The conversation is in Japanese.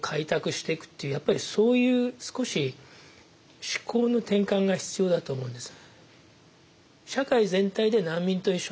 やっぱりそういう少し思考の転換が必要だと思うんです。